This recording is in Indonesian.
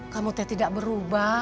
kamu teh tidak berubah